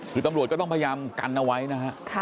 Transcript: คือตำรวจก็ต้องพยายามกันเอาไว้นะฮะ